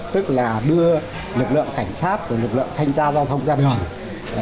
tức là đưa lực lượng cảnh sát và lực lượng thanh gia giao thông ra đường